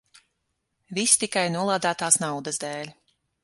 Viss tikai nolādētās naudas dēļ.